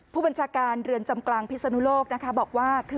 ผู้บัญชาการเรือนจำกลางพิศนุโลกนะคะบอกว่า